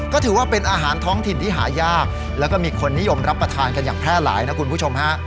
ก็ถือว่าเป็นอาหารท้องถิ่นที่หายากแล้วก็มีคนนิยมรับประทานกันอย่างแพร่หลายนะคุณผู้ชมฮะ